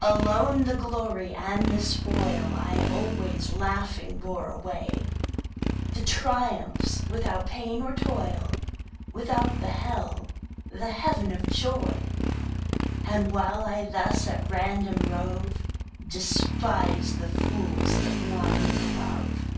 Alone the Glory and the Spoil I always Laughing bore away; The Triumphs, without Pain or Toil, Without the Hell, the Heav'n of Joy. And while I thus at random rove Despise the Fools that whine for Love.